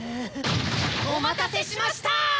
お待たせしました！